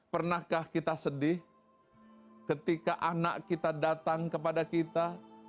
pernahkah kita sedih ketika anak kita datang kepada kita